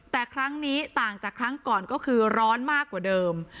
แต่ครั้งนี้ต่างจากครั้งก่อนก็คือร้อนมากกว่าเดิม